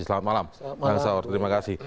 selamat malam bang saur terima kasih